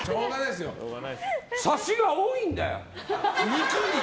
サシが多いんだよ！